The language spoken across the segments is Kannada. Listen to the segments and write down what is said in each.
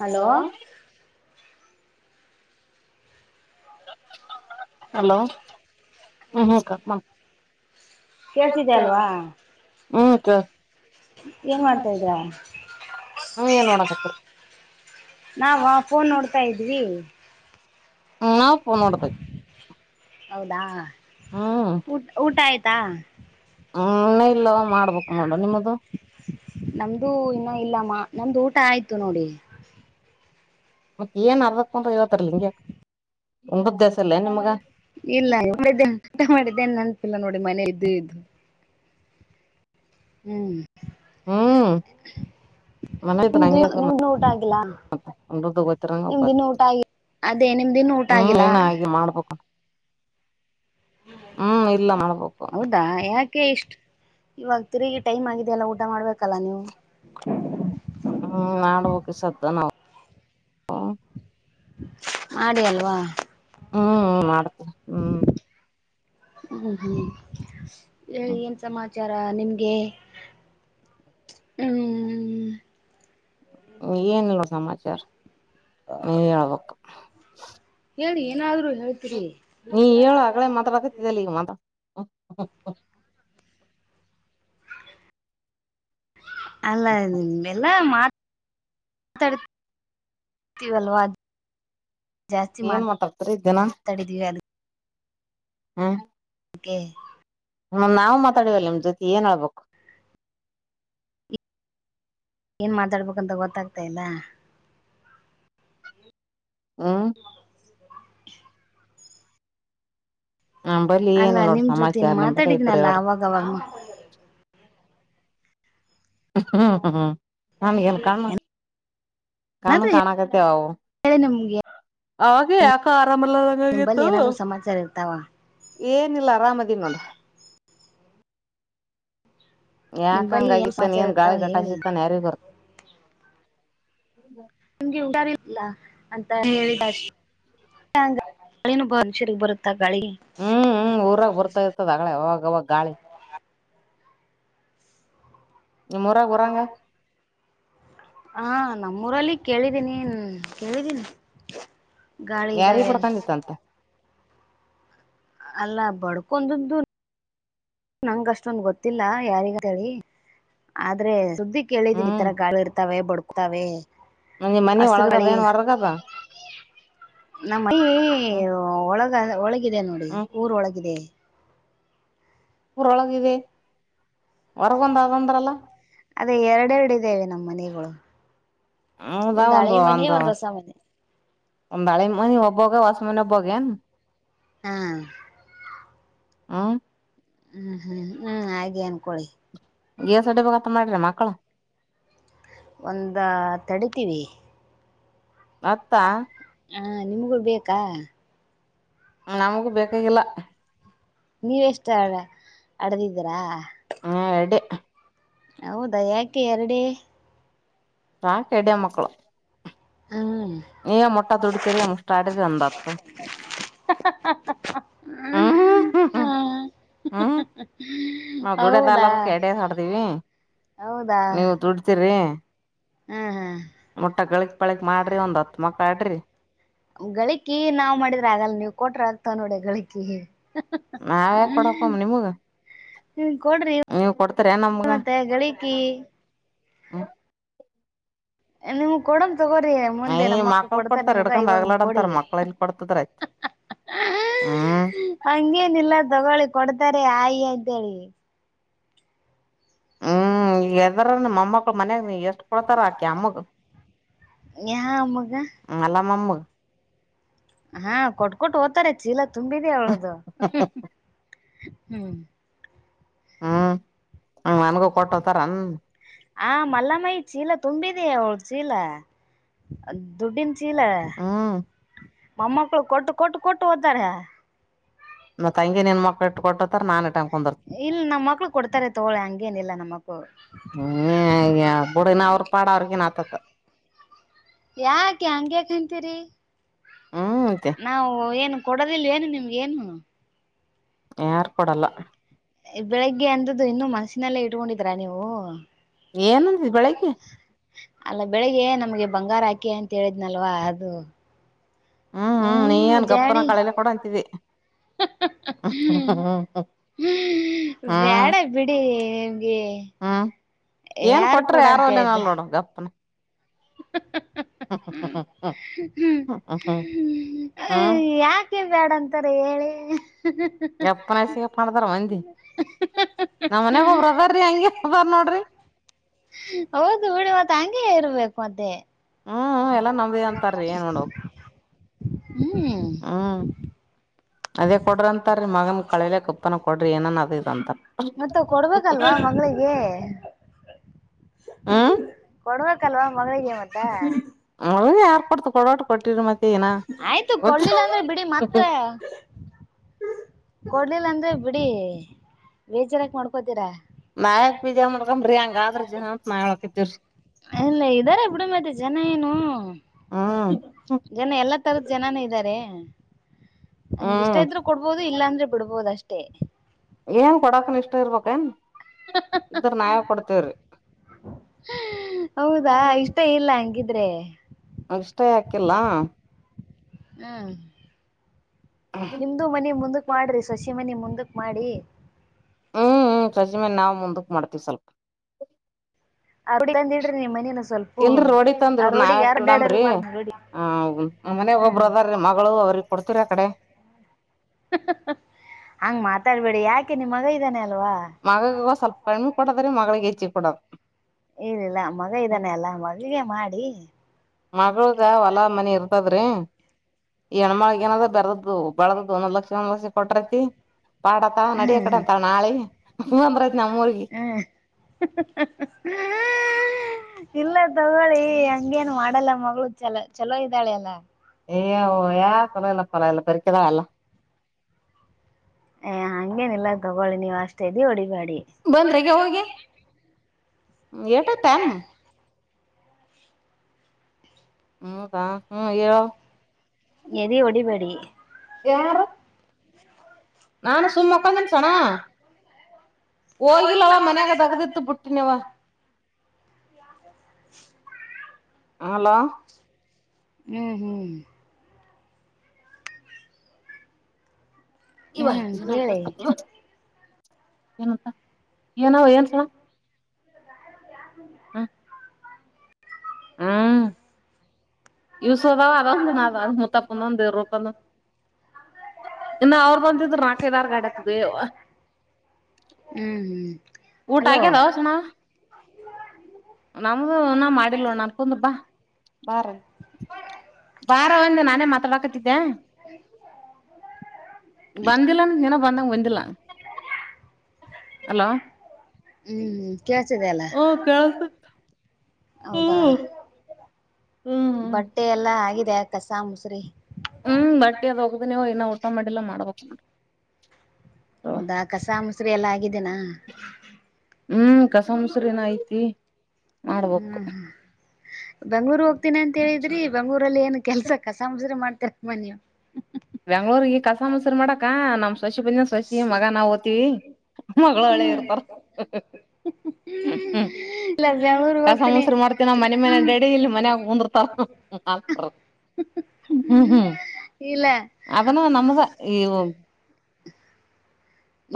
ಹಲೋ ಹಲೋ ಹ್ಮು ಹ್ಮು ಅಕ್ಕ ಮನ್ ಕೇಳ್ತಿದೆ ಕೇಳ್ಸುತ್ತೆ ಅಲ್ವಾ ಆಲ್ವಾ ಹ್ಮು ಕೇಳ್ ಏನ್ ಮಾಡ್ತಾ ಇದಿಯಾ. ನೀವ್ ಏನ್ ಮಾಡಾಕತ್ತಿರಿ. ನಾವಾ ಫೋನ್ ನೋಡ್ತಾ ಇದ್ವಿ. ಹ್ಮು ನಾವು ಪೋನ್ ನೋಡ್ತಾ ಹೌದಾ ಹ್ಮ್ ಊಟ್ ಊಟ ಆಯ್ತಾ. ಹ್ಮು ಇನ್ನ ಇಲ್ಲವ್ವ ಮಾಡ್ಬೇಕು ನೋಡ ನಿಮ್ಮದು. ನಮ್ದು ಇನ್ನೂ ಇಲ್ಲಮ್ಮ ನಮ್ದು ಊಟ ಆಯ್ತು ನೋಡಿ. ಮತ್ತ ಏನ್ ಅರ್ದಕ್ಕೊಂಡ್ ಹೇಳ್ತಾರಲ್ಲ ಹಿಂಗ್ಯಾಕ್ [unintelligible] [unintelligible] ಊಟ ಮಾಡಿದ್ದೇ ನೆನ್ಪಿಲ್ಲ ನೋಡಿ ಮನೆಯಲಿ ಇದ್ದು ಇದ್ದು. ಹ್ಮು ಹ್ಮು ಮನೆಯಲಿ ಇದ್ರ ನಿಮ್ದು ನಂಗ್ಯಾಕ್ ಬೇಕ್ ನಿಮ್ದು ಊಟ ಆಗಿಲ್ಲ ಮತ್ತ್. ಉಂಡುದ್ದು ಗೊತ್ತ್ ಇರಾಂಗಿಲ್ಲ ಉಪಾಸ್ ನಿಮ್ದಿನ್ನು ಊಟ ಆಗಿ ಅದೇ ನಿಮ್ದಿನ್ನು ಊಟ ಹ್ಮು ಆಗಿಲ್ಲ ಇನ್ನ್ ಹಾಗಿ ಮಾಡ್ಬೇಕ್ ನೋಡ್. ಹ್ಮ್ ಇಲ್ಲ ಮಾಡ್ಬೇಕು ಹೌದಾ ಯಾ ಕೆ ಇಷ್ಟ್ ಇವಾಗ ತಿರುಗಿ ಟೈಮ್ ಆಗಿದೆ ಅಲ್ಲ ಊಟ ಮಾಡ್ಬೇಕಲ್ಲಾ ನೀವು. ಹ್ಮು ಮಾಡ್ಬಕ ಈ ಸದ್ದ ನಾವ್ ಹ್ಮು ಮಾಡಿ ಅಲ್ವಾ. ಹ್ಮು ಮಾಡ್ತೀನಿ ಹ್ಮು. ಹ್ಮು ಹ್ಮು ಹೇಳಿ ಏನ್ ಸಮಾಚಾರ ನಿಮ್ಗೆ. ಹ್ಮು ಏನಿಲ್ಲ್ ನೋಡ್ ಸಮಾಚಾರ ನೀ ಹೇಳ್ಬೇಕ. ಹೇಳಿ ಏನಾದ್ರು ಹೇಳ್ತೀರಿ ನೀ ಹೇಳ ಆಗಳೇ ಮಾತಾಡಾಕತ್ತಿದ್ದಲ್ಲ ಈಗ ಮಾತಾ [unintelligible] ಅಲ್ಲ ಅದ್ನೆಲ್ಲ ಮಾ ತಾಡ್ತಿವಲ್ವಾ ಅದ್ ಜಾಸ್ತಿ ಏನ್ ಮಾತ್ ಮಾತಾಡ್ತರಿ ತಡೆದೀವಿ ಅಲ್ಲಿ ಹ್ಮ ಗೆ ಹ್ಮ ನಾವ್ ಮಾತಾಡೀವಲ್ಲ ನಿಮ್ ಜೊತೆ ಏನ್ ಆಬೇಕು. ಏನ್ ಮಾತಾಡ್ಬೇಕಂತ ಗೊತ್ತಾಗ್ತಾ ಇಲ್ಲ. ಹ್ಮ [unintelligible] ನಂಬಲ್ಲಿ ಅಲ್ಲಾ ಏನಿಲ್ಲ ನೋಡ್ ನಿಮ್ ಜೊತನ್ ಸಮಾಚಾರ ನಿಂಬಲ್ಲಿ ಐತ್ರಿ ಮಾತಾಡಿದ್ನಲ್ಲಾ ಹೇಳ್ರಿ ಅವಾಗವಾಗ ಹ್ಮ್ ಹ್ಮ್ ಹ್ಮ್ ನನ್ಗೇನ್ ಕಣ್ಣ್ ಕಣ್ಣ್ ಏನಾದ್ರೂ ಕಾಣಕತ್ತ ಆವು ಹೇಳಿ ನಿಮ್ಗೆ ಅವಾಗೆ ಅಕ ನಿಂಬಲ್ಲಿ ಆರಾಮಲ್ಲದಂಗಾಗೆತ್ತು. ಏನಾದ್ರು ಸಮಾಚಾರ ಇರ್ತಾವ ಏನಿಲ್ಲ ಅರಾಮದೀನ್ ನೋಡ. ನಿಂಬಲ್ಲಿ ಯಾಕಂಗ ಆಗತ್ತನ್ ಸಮಾಚಾರ ಏನ್ ಇರ್ತಾವ ಗಾಳಿ ಹೇಳಿ ಗಟಾಚಿತ್ತನ್ ಯಾರಿಗ್ ಬರ್ ನಿಮ್ಗೆ ಊಶಾರಿಲ್ಲ ಅಂತ ಹೇಳಿದಶ್ ಏನು [unintelligible] ಬರುತ್ತ ಹ್ಮ್-ಹ್ಮ್ ಊರಾಗ ಬರ್ತಾ ಇರ್ತದ ಅಗಳೆ ಅವಾಗವಾಗ ಗಾಳಿ. ನಿಮ್ ಊರಾಗ್ ಉರಂಗ ಹಾ ನಮ್ಮೂರಲ್ಲಿ ಕೇಳಿದೀನಿ ಕೇಳಿದೀನಿ. ಗಾಳಿ ಯಾರಿಗ್ ಇದ್ದಾವೆ ಬಡ್ಕೊಂದಿತ್ ಅಂತ. ಅಲ್ಲಾ ಬಡ್ಕೊಂದದ್ದು ನಂಗ ಅಷ್ಟೊಂದು ಗೊತ್ತಿಲ್ಲ ಯಾರಿಗಂತ ಹೇಳಿ ಆದ್ರೆ ಸುದ್ದಿ ಕೇಳಿದಿನಿ ಈ ತರ ಗಾಳಿ ಇರ್ತಾವೆ ಬಡಕ್ತಾವೆ. ನಿಮ್ದ್ ಮನಿ ಒಳಗದ ಏನ್ ವರ್ಗದಾ ನಮ್ಮಮನಿ ಒಳಗ ಒಳಗಿದೆ ನೋಡಿ ಹ್ಮ್ ಊರ್ ಒಳಗಿದೆ ಊರೊಳಗಿದೆ ಹೊರಗೊಂದ ಅಂದ್ರಲ್ಲ ಅದೇ ಎರಡೆರಡು ಇದೆ ನಮ್ ಮನೆಗಳು ಹ್ಮದ ಒಂದ್ ಒಂದು ಹಳೆ ಮನೆ ಒಂದು ಒಂದ್ ಹೊಸ ಮನೆ ಒಂದು ಅಳಿ ಮನಿ ಒಬ್ಬಗ್ ಹೊಸ್ ಮನಿ ಒಬ್ಬಗ್ ಏನ್ ಹ್ಮ ಹು ಹ್ಮ್ ಹ್ಮ್ ಹ್ಮ್ ಹಾಗೆ ಅನ್ಕೊಳ್ಳಿ ಹೆ ಸಡ್ಡಿ ಬತ್ತ ಮಾಡ್ರಿ ಮಕ್ಕಳು ಒಂದು ತಡಿತೀವಿ ಮತ್ತಾ ಹಾ ನಿಮ್ಗೂ ಬೇಕಾ ನಮಗೂ ಬೇಕಾಗಿಲ್ಲ ನೀವಷ್ಟ ಅಡದಿದ್ದೀರಾ ಹಾ ಎಡೆ ಹೌದಾ ಯಾಕೆ ಎರಡೆ ಸಾಕ್ ಎಡೆ ಮಕ್ಕಳು ಹ್ಮ್ ಮೊಟ್ಟಾ ದುಡಿತೀರಿ [inaudible] ಅಂದ್ ಆತು ಹ್ಮ್ ಹ್ಮ ಹ್ಮ ಹ್ಮ ಹ್ಮ್ ನಾವ ದುಡದಾಲ ಹೌದಾ ಏಡೆ ಆಡ್ದೀವಿ ನೀವು ದುಡ್ತಿರಿ ಹ್ಮ್ ಮುಟ್ಟ ಗಳಿಕ್ ಪಳಿಕ್ ಮಾಡ್ರಿ ಒಂದ್ ಹತ್ ಮಕ್ಳ ಆಡ್ರಿ ಹ್ಮ್ ಗಳಿಕಿ ನಾವ್ ಮಾಡಿದ್ರೆ ಆಗಲ್ಲ ನೀವು ಕೊಟ್ರ ಆಗ್ತ ನೋಡ ಗಳಿಕಿಗೆ ನಾ ಯಾಕ್ ಕೊಡಪ ನಿಮಗ್ ನಿನ್ ಕೊಡ್ರಿ ಮತ್ತೆ ಗಳಿಕಿ ಹ್ಮ್ ನಿಮ್ ಕೊಡಮ ತಗೋರಿ ಮುಂದೆ ಅಯ ನಮ್ಮ್ ಅಕ್ಕ ಮಕ್ಳ ಕೊಡ್ತಾರ್ ಕೊಡ್ತಾರ ನಿಮ್ಗ ಹಿಡ್ಕೊಂಡ್ ಇವಾಗ ನಿ ಕೊಡಿ ಆಗ್ಲಾಡಂತಾರ ಮಕ್ಳ ಇಲ್ಲಿ ಕೊಡ್ತದ್ರ ಆಯ್ತ್ ಹಾ ಹಾ ಹ್ಮ್ ಹಂಗೇನಿಲ್ಲ ತಗೊಳ್ಳಿ ಕೊಡ್ ತಾರೆ ಆಯಿ ಅಂತೇಳಿ ಹ್ಮ್ ಎದರ ಮಮ್ಮಕ್ಕಳು ಮನ್ಯಾಗ ನೀ ಕಷ್ಟ ಪಡ್ತಾರಕೆಮ್ಮಗ ಯಾ ಮಗ ಮಲ್ಲಾಮಮ್ ಹಾ ಕೊಟ್ಕಟ್ಟು ಹೋತಾರ್ ಚೀಲ ತುಂಬಿದ ಅವಲ್ಗ್ ಹ್ಮ್ ಹ್ಮ್ ಹ ನನ್ಗೂ ಕೊಟ್ಟತಾರನ್ ಹಾ ಮಲ್ಲಮಾಯಿ ಚೀಲ ತುಂಬಿದ ಅವಳ ಚೀಲ ದುಡ್ಡಿನ ಚೀಲ ಹ್ಮ್ ಮೊಮ್ಮಕ್ಕಳು ಕೊಟ್ಟು ಕೊಟ್ಟುಕೊಟ್ಟು ಹೋಗುತ್ತಾರೆ ನಮ್ಮ ತಂಗಿ ನೀನ್ ಮಕ್ಳ್ ಅತ್ರ್ ಕೊಟ್ ಒತರ ನ ಇಟ್ಕೊಂಡ್ ಕುಂದಿರ್ತ ಇಲ್ಲ ನಮ್ಮ ಮಕ್ಳು ಕೊಡ್ತಾರೆ ತಗೋಳಿ ಹಂಗೇನಿಲ್ಲಾ ನಮ್ಮಕ್ಕಳು ಹ್ಮ ಬುಡಿನ ಅವ್ರ್ ಪಾಡ ಅವ್ರಗನ್ ಆತತ್ ಯಾಕ ಹಂಗ ಯ್ಯಾಕ ಅಂತೀರಿ ಹ್ಮ್ ಅಂತೆ ನಾವು ಏನು ಕೊಡೋದಿಲ್ವ ಏನು ನಿಮ್ಗೆ ಏನು ಯಾರ್ ಕೊಡಲ್ಲ ಬೆಳಿಗ್ಗೆ ಅಂತದ್ದು ಇನ್ನು ಮನಸ್ಸಿನಲ್ಲೇ ಇಟ್ಕೊಂಡಿದ್ರ ನೀವು ಏನಂದ ಬೆಳಿಗ್ಗೆ ಅಲ್ಲ ಬೆಳಿಗ್ಗೆ ನಮ್ಗೆ ಬಂಗಾರ ಹಾಕಿ ಅಂತ ಹೇಳಿದ್ನಲ್ವಾ ಅದು ಹ್ಮ್ ಹ್ಮ್ ನೀ ಏನ್ ಗಪ್ಪನ ಕಳೆಲೆ ಕೂಡ ಅಂತಿದ್ದಿ ಹ್ಮ ಹ್ಮ್ ಹ್ಮ್ ಹ್ಮ ಬೇಡ ಬಿಡಿ [inaudible] ಹ್ಮ್ ಏನ್ ಯಾರು ಕೊಟ್ರ ಕೊೂಡ ಯಾರೋ ಅಂತ ಹೇಳಿದ್ದ ಅಲ್ಲೇನಲ್ ನೋಡು ಗಪ್ಪನ [inaudible] ಹ್ಮ್ ಹ್ಮ ಹ್ಮ್ ಯಾಕೆ ಬೇಡ ಸರಿ ಹೇಳಿ ಎಪ್ಪನ ಹೆಐಸಗ ಪೊಂಡದಾರ ಒಂದ ನಮ್ಮ್ ಮನ್ಗ ಒಬ್ರಸರಿ ಹಂಗಗೆ ಬರ್ ನೋಡ್ರಿ ಹೌದು ಹುಳಿ ಮಾ ಹಂಗೆ ಪದೇ ಹ್ಮ್ ಎಲ್ಲಾ ನಮ್ದಿ ಅಂತಾರರಿ ಏನ್ ನೋಡಕ್ ಹ್ಮ್ ಹ್ಮ್ ಅದೇ ಕೊಡ್ರಿ ಅಂತಾರೀ ಮಗಮ ಕಳಲ ಕುಪ್ಪನ ಕೊಡ್ರಿ ಏನನ್ ಅದದಂತಾರ ಹೌದು ಹ್ಮ್ ಕೊಡ್ವಕ್ಲ್ವಾ ಮಗಳಿಗೆ ಮತ್ತ ಅವಗ ಯಾರ್ ಕೊಡ್ತ ಕೊಡಟ ಕೊಟ್ಟಿರ ಮತ್ತೆ ನ ಆಯ್ತು ಗ ಕೊಡ್ಲಿಲ್ಲ ಅಂದ್ರೆ ಬಿಡಿ ಮತ್ತ ಕೊಡ್ಲಿಲ್ಲ ಅಂದ್ರೆ ಬಿಡಿ ಬೇಜಾರಕ್ ಮಾಡ್ಕೋತೀರಾ ಮಯಕ್ ಬಿದ್ಯಾ ಮುಕಂಬ್ರಿ ಹಂಗಾದ್ರ ಜನ ಅಂತತ್ ಮಾಡ್ಳಕತಿವ್ರರಿ ಕಡಮೆತ್ತ ಜನ ಏನು ಹ್ಮ್ ಜನ ಎಲ್ಲಾ ತರದ ಜನಾನ ಇದ್ದಾರೆ ನಮ್ಗೆ ಇಷ್ಟ ಹ್ಮ್ ಇದ್ರರು ಕೊಡ್ಬೋದು ಇಲ್ಲಾಂದ್ರೆ ಬಿಡ್ಬೋದ ಅಷ್ಟೇ ಏನ್ ಕೊಡಾಕನ್ ಇಷ್ಟ ಇರ್ಬಕ್ನ್ ಹೌದಾ ಇಷ್ಟ ಇಲ್ಲ ಇಲ್ಲ ಹಂಗಿದ್ರೆ ಇಷ್ಟೇ ಯಾಕಿಲ್ಲ ಹ್ಮ ನಿಮ್ದು ಮನಿ ಮುಂದಕ್ ಮಾಡ್ರಿ ಸಸಿ ಮನೆ ಮುಂದಕ್ ಮಾಡಿ ಹ್ಮ್ ಹ್ಮ್ ಸಜ ಮ ನಾವವು ಮುಂದಕ್ ಮಾಡ್ತೀವಿ ಸ್ವಲ್ಪ ಆ ರೋಡಿ ಬಂದ ಇಡ್ರಿ ನಿಮ್ ಮನೇನ ಸ್ವಲ್ಪ ಇಲ್ರಿ ರೋಡಿ ಆ ರೋಡಿಗೆ ಯಾರ್ ಗಡಡರ್ ಬಾರ ರೋಡಿ ಹ ಮನೆ ಒಬ್ಬ್ರದರ್ ರೀ ಮಗಳು ಅವ್ರಗ್ ಕೊಡ್ತೀರಿ ಆ ಕಡೆ ಹಂಗ ಮಾತಾಡ್ಬೇಡಿ ಯಾಕೆ ನಿ ಮಗ ಇದ್ದಾನೆ ಅಲ್ಲ ಮಗ ಸ್ವಲ್ಪ ಕ್ಮೆ ಕೊಡದ್ರೆ ಮಗಳಿಗೆ ಹೆಚ್ಚೆ ಕೊಡದು ಇಲ್ಲಿಿಲ್ಲ ಮಗ ಇದಾನೆ ಅಲ್ಲಾ ಮಗಗೆ ಮಾಡಿ ಮಗಳಗ ಹೊಲಾ ಮನಿ ಇರ್ತದ್ರಿ ಹೆಣ್ಮಾಗ ಏನದ ಬೆರದ್ದು ಬಾಳದ್ದು ಒಂದ್ ಲಕ್ಷ ಒಂದ್ ಲಕ್ಷ ಕೊಟ್ರತಿ ಪಾಡತ ನಡಿಯ ಹ್ಮ್ ಕಡೆ ಅಂತ ನಾಳೆ ಹಂದ್ರೈತ್ ನಮ್ಮ್ ಊರ್ಗ [unintelligible] ಇಲ್ಲ ತಗೊಳ್ಳಿ ಹಂಗೇನ್ ಮಾಡಲ್ಲ ಮಗಳು ಚಲೋ ಚಲೋ ಇದ್ದಾಳೆ ಅಲ್ಲ ಓ ನ್ ಕೊನಲ್ಲಪ್ಪರ ಇಲ್ಲ ಪರಿಕದಾ ಎಲ್ಲ ಏ ಹಂಗೇನ ಇಲ್ಲ ತಗೊಳ್ಳಿ ನೀವ್ ಅಷ್ಟೇ ಇದ್ದಿ ಹೊಡಿಬಾಡಿ ಎಟ ತಮ ಹ್ಮ್ದಾ ಹ್ಮ್ ಏ ಎದ ಒಡಿಬೇಡಿ ಯಾರು ನಾನು ಸುಕ್ಕಳಂದನ ಸಣ ಹೋಗಿಲ್ಲವ ಮನ್ಯಾಗ ತಗದಿತ್ತು ಬಿಟ್ಟ ನೀವ [inaudible] ಹ ಹಲೋ ಹ್ಮ್ ಹ್ಮ್ ಈ ಹ್ಮ್ ಬಹಿನ ಹೇಳಿ ಏನಂತ ಏನಾವ ಏನ್ ಸಣ ಹ್ಮ ಹಾ ಯೂಸದಾವ ಅಂದ ನ ಮುತ್ತಪ್ಪಂದರ ರೂಪ ಇನ್ನು ಅವ್ರ ಬಂದಿದ್ರರು ನಾಕೈದಾರ್ ಗಡಕ್ದೆ ಹ್ಮ್-ಹ್ಮ್ ಹಲೋ ಆಗ್ಯದವ ಸಣ ನಮ್ದು ನ ಮಾಡಿಲ ನೋಡ್ ನಾನ್ ಕುಂದ್ರು ಬಾ ಬಾರೆ. ಬಾರ ಒಂದು ನಾನೇ ಮಾತಾಡಕತಿದ್ದೆ ಬಂದಿಲ್ಲಂ ಏನ ಬಂದಂಗ ವಂದಲ ಅಲೋ ಹ್ಮ್ ಕೇಳ್ಸಿದೆ ಅಲ್ಲ ಓ ಕೆಳ್ಸ್ತೈತ್. ಹೌದಾ ಹ್ಮ್ ಬಟ್ಟೆ ಎಲ್ಲಾ ಆಗಿದೆ ಕಸ ಮುಸ್ರಿ ಹ್ಮ್ ಬಟ್ಟಿ ಅದ ಹೋಗ್ದ ನೀವು ಇನ್ನ ಊಟ ಮಾಡಿಲ್ಲಾ ಮಾಡ್ಬೇಕು. ಹೌದಾ ಕಸ ಮುಸ್ರಿ ಎಲ್ಲಾ ಆಗಿದ್ದೇನಾ? ಹ್ಮ್ ಕಸ ಮುಸರಿ ನು ಐತಿ. ಮಾಡ್ಬೇಕು ಹ್ಮ್ ಬೆಂಗ್ಳೂರ್ ಹೋಗ್ತೀನಿ ಅಂತ ಹೇಳಿದ್ರಿ? ಬೆಂಗಳೂರಲ್ಲಿ ಏನ್ ಕೆಲ್ಸ ಕಸ ಮುಸ್ರಿ ಮಾಡ್ತಿರೆನಮ್ಮ ನೀವು ಬೆಂಗ್ಳೂರ್ಗ ಕಸ ಮಸೂರಿ ಮಾಡಾಕ ನಮ್ ಶಶಿ ಬಂದ ಶಶಿ ಮಗ ನಾವ್ ಓತ್ತಿವಿ ಮಗಳು ಅಳ್ ಯ ಇರ್ತಾರ ಹ ಹ ಹ್ ಹ್ಮ ಲ ಕಸ ಮೊಸ್ರ ಮಾಡ್ತಿನ ಮನೆ ಮೇನೆ ಡೆಡಿ ಇಲ್ಲಿ ಮನ್ಯಾಗ ಮುಂದರ್ತಾರ [unintelligible] ಹ್ಮ್-ಹ್ಮ್ ಇಲ್ಲ ಅದ್ನ್ನು ನಮ್ಮದ ಈವು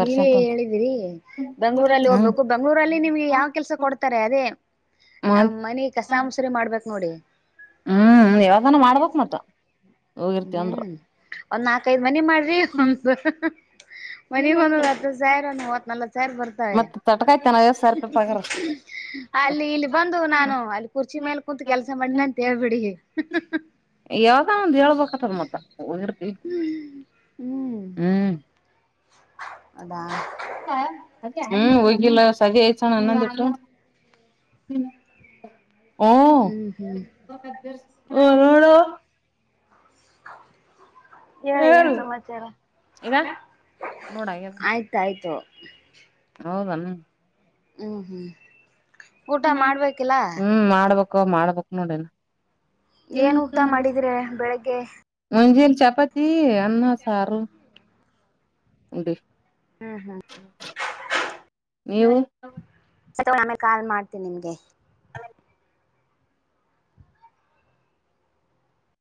ನೀವೇ ಅಂತ ಹೇಳಿದೀರಿ ಬೆಂಗ್ಳೂರಲ್ಲಿ ಹ್ಮ್ ಹೋಗ್ಬೇಕು ಬೆಂಗ್ಳೂರಲ್ಲಿ ನಿಮ್ಗೆ ಯಾವ ಕೆಲ್ಸ ಕೊಡ್ತಾರೆ ಅದೇ ಮಾಡ ಅ ಮನೆ ಕಸ ಮುಸ್ರಿ ಮಾಡ್ಬೇಕ್ ನೋಡಿ. ಹ್ಮ್ ಯಾವ್ದಾನ ಮಾಡ್ಬಕ್ ಮತ್ತ. ಹೋಗಿರ್ತಿವ ಅಂದ್ರ ಹ್ಮ್ ಒಂದ್ ನಾಕೈದ್ ಮನಿ ಮಾಡ್ರಿ ಒಂದು ಮನೀಗ ಒಂದತ್ತ ಸಾರ ಮುವತ್ತ್ ನವವತ್ತ್ ಸಾರ ಬರ್ತಾವೆ ಮತ್ ತಟಕಾಯ್ತ ನಾವ ಐವತ್ ಸಾವಿರ ಹಿ ರೂಪಾಯಿ ಹಿ ಹಿ ಅಲ್ಲಿ ಇಲ್ಲಿ ಬಂದ ಪಗಾರ ನಾನು ಅಲ್ಲಿ ಕುರ್ಚಿ ಮೇಲೆ ಕುೂಂತು ಕೆಲ್ಸ ಮಾಡನಂತೇಳ್ಬಿಡಿ. ಯಾವ್ದ ಒಂದು ಹೇಳ್ಬೇಕತ್ತದ ಮತ್ತ ಹ ಇರ್ತಿ ಇಡ್ ಹ್ಮ್ ಅದ ಹ್ಮ್ ಹೋಗಿಲ್ಲ ಸದಿ ಆಯ್ತಣ ಅನ್ನಂದ್ ಬಿಟ್ಟು. ಹ್ಮ್ ಹೂಮ್ ಹ್ಮ್ ಹ್ಮ್ ಹ ನೋಡು [unintelligible] ಹೇಳಿ ಏನ್ ಯಾರು ಸಮಾಚಾರ ಈಗ ನೋಡ ಆಯ್ತಾಯ್ತು. ಹೌದನ ಹ್ಮ್-ಹ್ಮ್ ಊಟ ಮಾಡ್ಬೇಕಿಲ್ಲ ಹ್ಮ್ ಮಾಡ್ಬೇಕು ಮಾಡ್ಬಕ್ ನೋಡ್ ಇನ್ನ ಏನ್ ಊಟ ಮಾಡಿದ್ರೆ ಬೆಳಿಗ್ಗೆ ಚಪತಿ ಅನ್ನ ಸಾರು ಉಂಡಿ ಹ್ಮ್ ಹ್ಮ್ ನೀವು ಸ ತೊ ಆಮ್ಮೆಲ್ ಕಾಲ್ ಮಾಡ್ತಿ ನಿಮ್ಗೆ. [unintelligible]